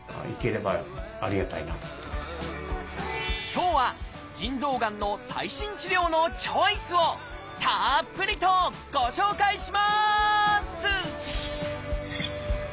今日は「腎臓がん」の最新治療のチョイスをたっぷりとご紹介します！